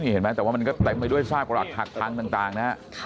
เห็นมั้ยแต่ว่ามันก็แตกไปด้วยซากรักหักพังต่างนะ